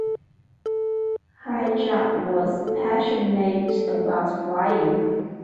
Hijab was passionate about flying.